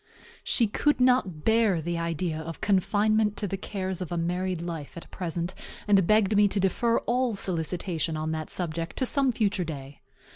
She could not bear the idea of confinement to the cares of a married life at present, and begged me to defer all solicitation on that subject to some future day.